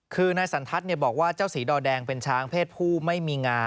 คือนายสันทัศน์บอกว่าเจ้าสีดอแดงเป็นช้างเพศผู้ไม่มีงา